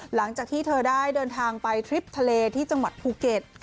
หลังจากที่เธอได้เดินทางไปทริปทะเลที่จังหวัดภูเก็ต